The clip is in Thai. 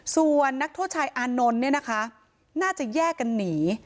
ส่วนนักโทษชายอานนท์เนี่ยนะคะน่าจะแยกกันหนี